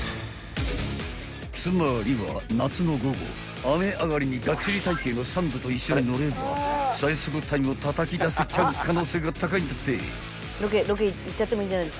［つまりは夏の午後雨上がりにがっちり体形のサンドと一緒に乗れば最速タイムをたたき出せちゃう可能性が高いんだって］